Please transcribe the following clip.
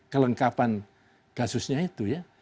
kelengkapan kasusnya itu ya